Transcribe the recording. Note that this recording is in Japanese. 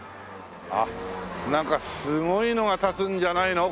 あっなんかすごいのが建つんじゃないの？